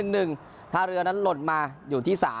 ท่าเรือนั้นหล่นมาอยู่ที่๓